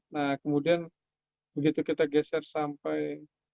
nah kemudian begitu kita geser sampai